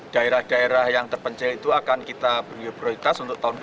daerah daerah yang terpencil itu akan kita punya prioritas